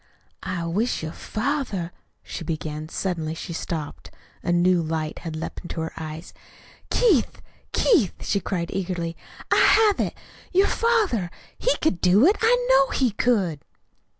"I wish your father " she began. Suddenly she stopped. A new light had leaped to her eyes. "Keith, Keith," she cried eagerly. "I have it! Your father he could do it I know he could!"